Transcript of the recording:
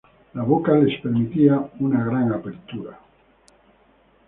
La boca les permitía una gran apertura.